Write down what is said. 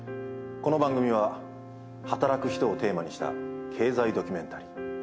この番組は働く人をテーマにした経済ドキュメンタリー。